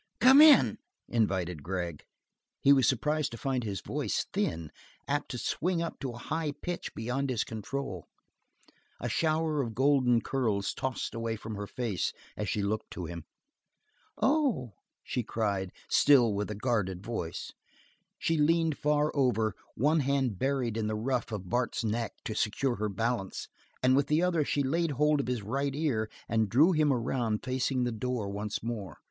"Come in," invited Gregg. He was surprised to find his voice thin, apt to swing up to a high pitch beyond his control. A shower of golden curls tossed away from her face as she looked to him. "Oh!" she cried, still with a guarded voice. She leaned far over, one hand buried in the ruff of Bart's neck to secure her balance, and with the other she laid hold of his right ear and drew him around facing the door once more.